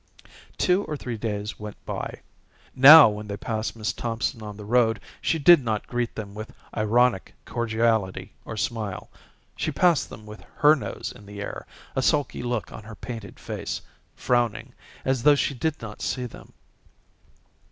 Two or three days went by. Now when they passed Miss Thompson on the road she did not greet them with ironic cordiality or smile; she passed with her nose in the air, a sulky look on her painted face, frowning, as though she did not see them.